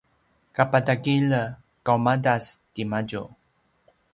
kapatagilj qaumadas timadju